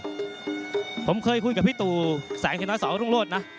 อ่าผมเคยอยู่กับพี่ตูแสงเน้นสองรุ่งโลศน่ะ